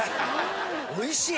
おいしい！